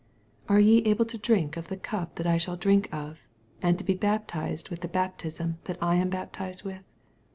Are ye able to drink of the cup that I shall drink of, and to be baptized with the baptism that I am baptized with?